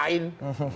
kita hidup di kota